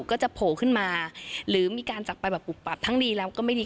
ก็จะโผล่ขึ้นมาหรือมีการจักรไปแบบปุบปับทั้งดีแล้วก็ไม่ดี